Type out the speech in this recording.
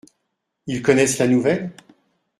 Ils connaissent la nouvelle ?